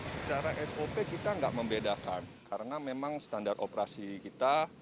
secara sop kita nggak membedakan karena memang standar operasi kita